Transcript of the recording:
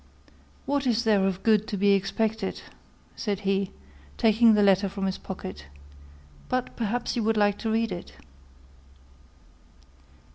"What is there of good to be expected?" said he, taking the letter from his pocket; "but perhaps you would like to read it."